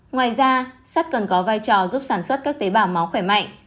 ngoài ra sắt còn có vai trò giúp sản xuất các tế bào máu khỏe mạnh